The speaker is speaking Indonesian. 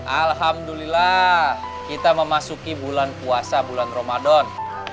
alhamdulillah kita memasuki bulan puasa bulan ramadan